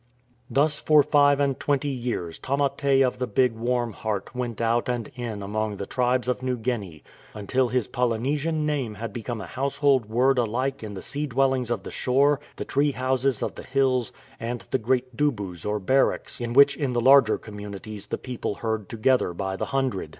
Thus for five and twenty years Tamate of the big warm heart went out and in among the tribes of New Guinea, until his Polynesian name had become a house hold word alike in the sea dwellings of the shore, the tree houses of the hills, and the great dubus or barracks in which in the larger communities the people herd together by the hundred.